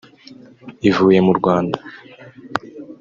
ivuye mu Rwanda